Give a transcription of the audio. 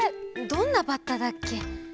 どんなバッタだっけ？